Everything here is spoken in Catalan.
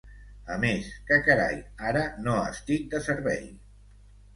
A més, què carai!, ara no estic de servei.